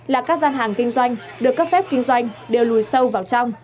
là các gian hàng kinh doanh được cấp phép kinh doanh đều lùi sâu vào trong